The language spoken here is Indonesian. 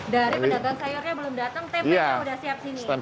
dari pedagang sayurnya yang belum datang